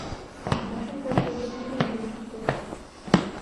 Бер аҙҙан өйгә кире инеп китте.